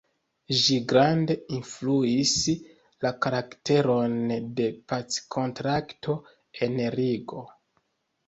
Ĝi grande influis la karakteron de packontrakto en Rigo.